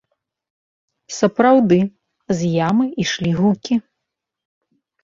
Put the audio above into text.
Сапраўды, з ямы ішлі гукі.